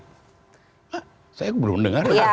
hah saya belum dengar